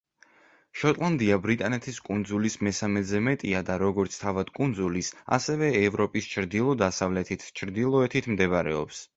შოტლანდია ბრიტანეთის კუნძულის მესამედზე მეტია და როგორც თავად კუნძულის, ასევე ევროპის ჩრდილო-დასავლეთით ჩრდილოეთით მდებარეობს.